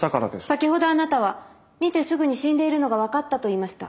先ほどあなたは見てすぐに死んでいるのが分かったと言いました。